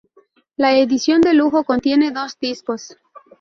La edición de lujo contiene dos discos.